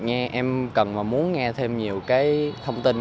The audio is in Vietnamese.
em cần và muốn nghe thêm nhiều thông tin